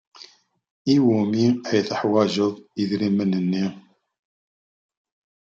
I wumi ay teḥwajeḍ idrimen-nni?